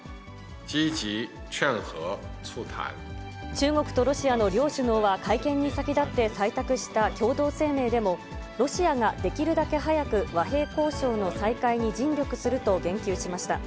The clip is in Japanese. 中国とロシアの両首脳は、会見に先立って採択した共同声明でも、ロシアができるだけ早く和平交渉の再開に尽力すると言及しました。